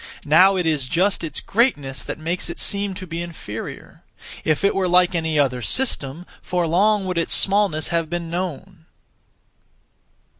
Now it is just its greatness that makes it seem to be inferior. If it were like any other (system), for long would its smallness have been known!